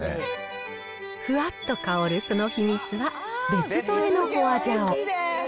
ふわっと香るその秘密は、別添えのホワジャオ。